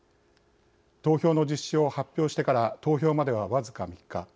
投票の実施を発表してから投票までは僅か３日。